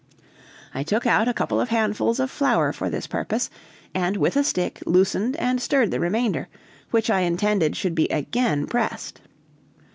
I took out a couple of handfuls of flour for this purpose, and with a stick loosened and stirred the remainder, which I intended should be again pressed.